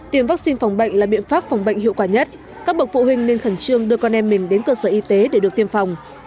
tiêm vaccine phòng bệnh là biện pháp phòng bệnh hiệu quả nhất các bậc phụ huynh nên khẩn trương đưa con em mình đến cơ sở y tế để được tiêm phòng